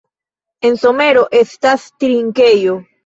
En somero estas trinkejo.